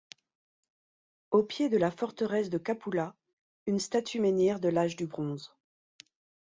Au pied de la forteresse de Capula, une statue-menhir de l'âge du bronze.